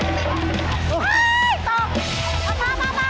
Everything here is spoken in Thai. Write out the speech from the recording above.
ครับขาไม่ต้องดีไหมนะ